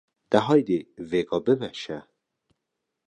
De haydê vêga bimeşe!’’